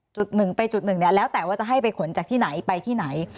หนึ่งไปจุดหนึ่งเนี่ยแล้วแต่ว่าจะให้ไปขนจากที่ไหนไปที่ไหน